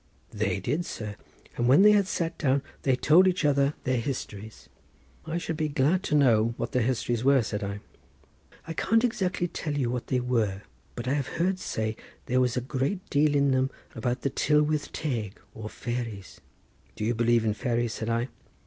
"They did, sir; and when they had sat down they told each other their histories." "I should be glad to know what their histories were," said I. "I can't exactly tell you what they were, but I have heard say that there was a great deal in them about the Tylwith Teg or fairies." "Do you believe in fairies?" said I.